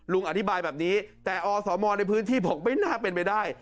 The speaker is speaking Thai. อธิบายแบบนี้แต่อสมในพื้นที่บอกไม่น่าเป็นไปได้